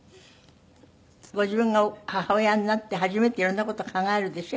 ご自分が母親になって初めていろんな事考えるでしょ？